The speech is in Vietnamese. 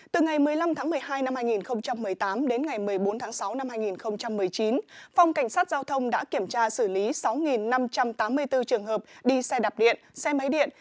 từ ngày một mươi năm tháng một mươi hai năm hai nghìn một mươi tám đến ngày một mươi bốn tháng sáu năm hai nghìn một mươi chín phòng cảnh sát giao thông đã kiểm tra xử lý sáu năm trăm tám mươi bốn trường hợp đi xe đạp điện xe máy điện